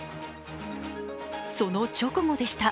その直後でした。